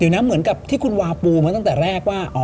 เดี๋ยวนะเหมือนกับที่คุณวาปูมาตั้งแต่แรกว่า